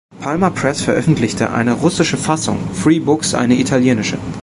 Palma Press veröffentlichte eine russische Fassung, Free Books eine italienische.